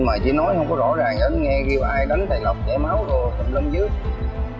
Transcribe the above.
mà chị nói không có rõ ràng em nghe kêu ai đánh thầy lọc trẻ máu trùm lâm dưới